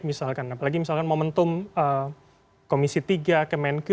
misalkan apalagi momentum komisi tiga ke menq